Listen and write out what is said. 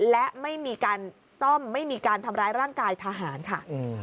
และไม่มีการซ่อมไม่มีการทำร้ายร่างกายทหารค่ะ